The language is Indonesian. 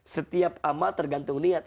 setiap amal tergantung niat